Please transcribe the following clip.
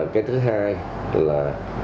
cái thứ hai là